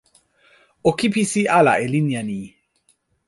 o kipisi ala e linja ni!